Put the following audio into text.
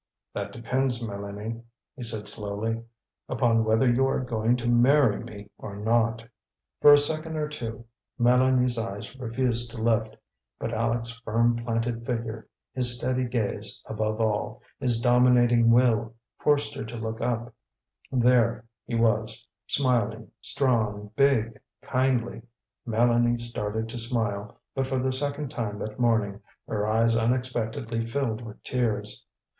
"That depends, Mélanie," he said slowly, "upon whether you are going to marry me or not." [Illustration: "That depends upon whether you are going to marry me."] For a second or two Mélanie's eyes refused to lift; but Aleck's firm planted figure, his steady gaze, above all, his dominating will, forced her to look up. There he was, smiling, strong, big, kindly. Mélanie started to smile, but for the second time that morning her eyes unexpectedly filled with tears.